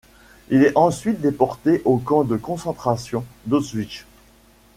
Il est ensuite déporté au camp de concentration d'Auschwitz.